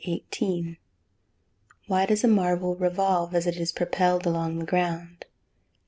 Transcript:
_Why does a marble revolve, as it is propelled along the ground?